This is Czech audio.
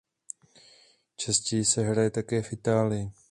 Častěji se hraje také v Itálii.